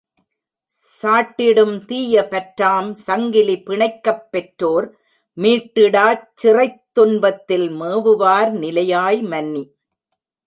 சாட்டிடும் தீய பற்றாம் சங்கிலி பிணைக்கப் பெற்றோர் மீட்டிடாச் சிறைத்துன் பத்தில் மேவுவார் நிலையாய் மன்னி.